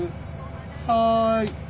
はい。